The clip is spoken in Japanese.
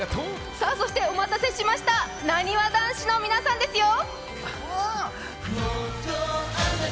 そしてお待たせしました、なにわ男子の皆さんですよ。